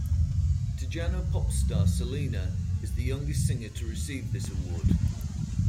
Tejano Pop Star Selena is the youngest singer to receive this Award.